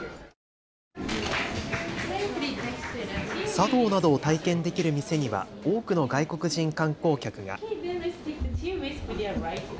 茶道などを体験できる店には多くの外国人観光客が。